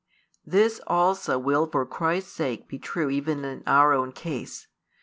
This also will for Christ's sake be true even in our own case.